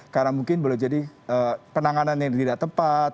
karena mungkin boleh jadi penanganan yang tidak tepat